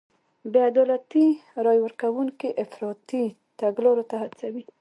بې عدالتۍ رای ورکوونکي افراطي تګلارو ته هڅوي.